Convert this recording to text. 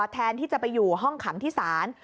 แทนที่จะไปอยู่ห้องขังที่ศาล